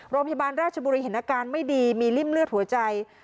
โรงพยาบาลราชบุรีเห็นอาการไม่ดีมีริ่มเลือดหัวใจ